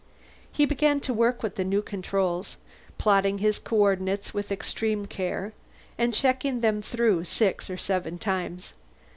He began to work with the new controls, plotting his coordinates with extreme care and checking them through six or seven times.